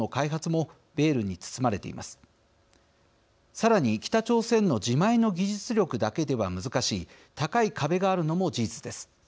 さらに北朝鮮の自前の技術力だけでは難しい高い壁があるのも事実です。